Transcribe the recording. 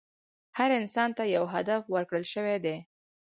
هر انسان ته یو هدف ورکړل شوی دی.